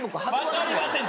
分かりません。